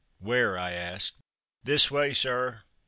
"Where?" I asked. "This way, Sir!"